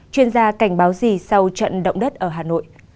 chuyên gia cảnh báo gì sau trận động đất ở hà nội